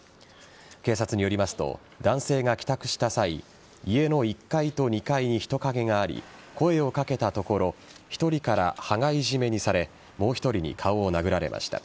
警察によりますと男性が帰宅した際家の１階と２階に人影があり声を掛けたところ１人から羽交い締めにされもう１人に顔を殴られました。